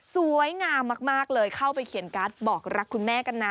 สวยงามมากเลยเข้าไปเขียนการ์ดบอกรักคุณแม่กันนะ